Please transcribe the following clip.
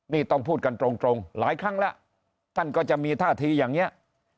นี่ต้องพูดกันตรงหลายครั้งแล้วท่านก็จะมีท่าทีอย่างนี้